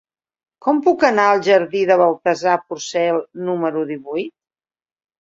Com puc anar al jardí de Baltasar Porcel número divuit?